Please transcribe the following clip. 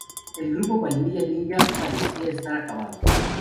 El grupo Vanilla Ninja parecía estar acabado.